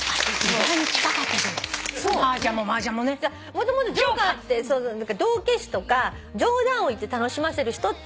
もともと「ジョーカー」って道化師とか冗談を言って楽しませる人っていうこと。